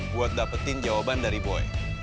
buat dapetin jawaban dari boy